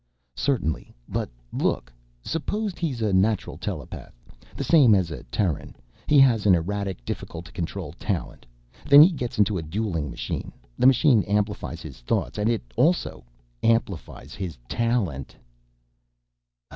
"Certainly. But look, suppose he's a natural telepath ... the same as a Terran. He has an erratic, difficult to control talent. Then he gets into a dueling machine. The machine amplifies his thoughts. And it also amplifies his talent!"